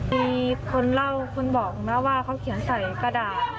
มีคนเล่าคนบอกนะว่าเขาเขียนใส่กระดาษ